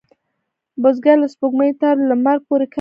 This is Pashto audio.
بزګر له سپوږمۍ تر لمر پورې کار کوي